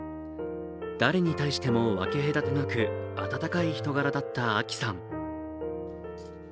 誰に対しても分け隔てなく、温かい人柄だった、あきさん。